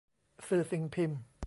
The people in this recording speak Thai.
สื่อสิ่งพิมพ์